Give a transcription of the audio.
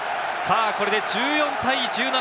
これで１４対１７。